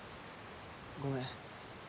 ごめん。